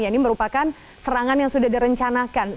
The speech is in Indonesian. ini merupakan serangan yang sudah direncanakan